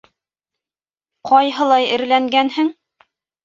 Ҡайһылай эреләнгәнһең?